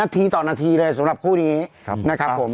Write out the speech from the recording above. ทีต่อนาทีเลยสำหรับคู่นี้นะครับผม